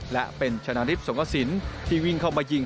และเป็นชนะทิพย์สงกระสินที่วิ่งเข้ามายิง